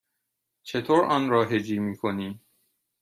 چطور آن را هجی می کنی؟